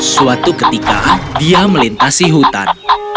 suatu ketika dia melintasi hutan